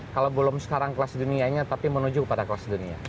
kalau belum sekarang kelas dunianya tapi menuju kepada kelas dunia